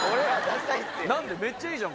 何でめっちゃいいじゃん